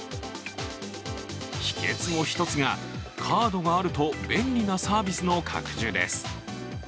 秘けつの一つが、カードがあると便利なサービスの拡充です。